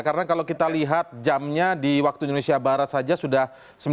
karena kalau kita lihat jamnya di waktu indonesia barat saja sudah sembilan belas empat puluh satu